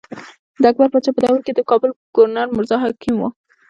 د اکبر باچا په دور کښې د کابل ګورنر مرزا حکيم وو۔